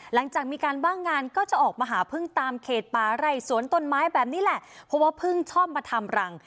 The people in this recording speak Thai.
หลังจากมีการว่างงานก็จะออกมาหาพึ่งตามเขตป่าไร่สวนต้นไม้แบบนี้แหละเพราะว่าเพิ่งชอบมาทำรัง